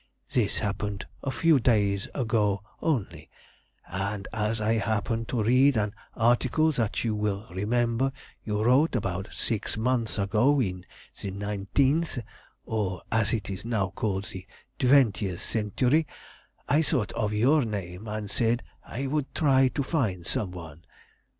"This happened a few days ago only, and as I had happened to read an article that you will remember you wrote about six months ago in the Nineteenth, or, as it is now called, the Twentieth Century, I thought of your name, and said I would try to find some one.